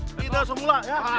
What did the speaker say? tidak semula ya